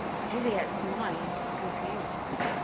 Juliet's mind was confused.